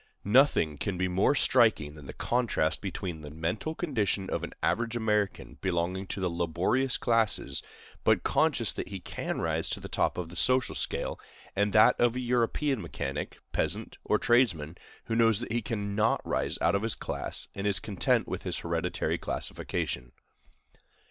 Nothing can be more striking than the contrast between the mental condition of an average American belonging to the laborious classes, but conscious that he can rise to the top of the social scale, and that of a European mechanic, peasant, or tradesman, who knows that he cannot rise out of his class, and is content with his hereditary classification.